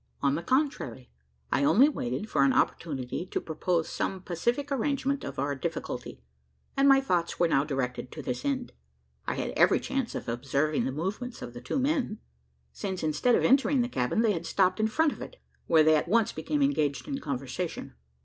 On the contrary, I only waited for an opportunity to propose some pacific arrangement of our difficulty; and my thoughts were now directed to this end. I had every chance of observing the movements of the two men: since, instead of entering the cabin, they had stopped in front of it where they at once became engaged in conversation.